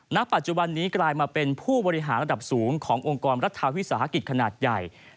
ณปัจจุบันนี้กลายมาเป็นผู้บริหารระดับสูงขององค์กรรัฐวิสาหกิจขนาดใหญ่